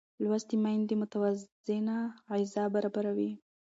لوستې میندې متوازنه غذا برابروي.